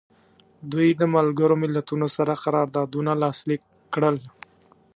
دوی د ملګرو ملتونو سره قراردادونه لاسلیک کړل.